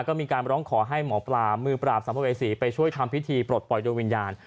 ก็มีการร้องขอให้หมอปลามือปราบสัมภเวษีไปช่วยทำพิธีปลดปล่อยโดยวิญญาณ